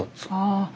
ああ